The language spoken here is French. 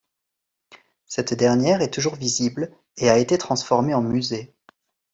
Cette dernière est toujours visible, et a été transformée en musée.